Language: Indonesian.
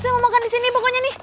saya mau makan di sini pokoknya nih